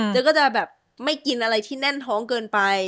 ก็จะแบบไม่กินอะไรที่แน่นท้องเกินไป